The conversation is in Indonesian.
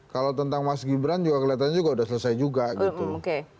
kalau tentang mas gibran juga kelihatannya juga sudah selesai juga gitu